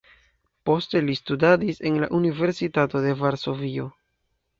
Poste li studadis en la Universitato de Varsovio.